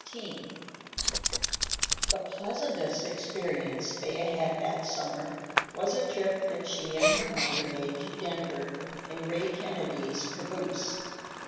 XVI The pleasantest experience Thea had that summer was a trip that she and her mother made to Denver in Ray Kennedy's caboose.